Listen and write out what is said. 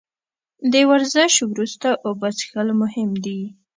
د ورزش وروسته اوبه څښل مهم دي